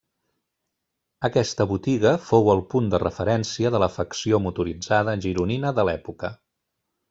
Aquesta botiga fou el punt de referència de l'afecció motoritzada gironina de l'època.